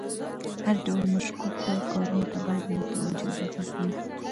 هر ډول مشکوکو کارونو ته باید متوجه او دقیق وي.